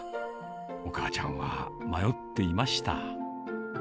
お母ちゃんは迷っていました。